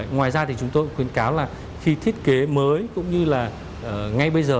ngoài ra thì chúng tôi khuyến cáo là khi thiết kế mới cũng như là ngay bây giờ